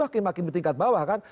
hakim hakim di tingkat bawah kan